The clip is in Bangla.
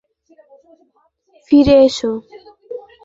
যত দ্রুত পারো ফিরে এসো।